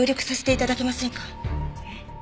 えっ？